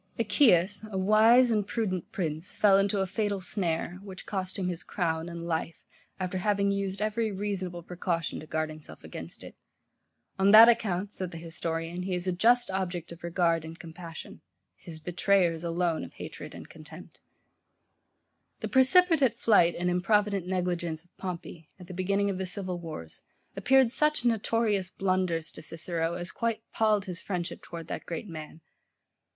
Achaeus, a wise and prudent prince, fell into a fatal snare, which cost him his crown and life, after having used every reasonable precaution to guard himself against it. On that account, says the historian, he is a just object of regard and compassion: his betrayers alone of hatred and contempt [Footnote: Polybius, lib. iii. cap. 2]. The precipitate flight and improvident negligence of Pompey, at the beginning of the civil wars, appeared such notorious blunders to Cicero, as quite palled his friendship towards that great man.